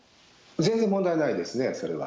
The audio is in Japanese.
全然問題ないですね、それは。